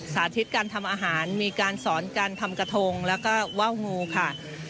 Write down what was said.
สาธิตการทำอาหารมีการสอนการทำกระทงแล้วก็ว่าวงูค่ะ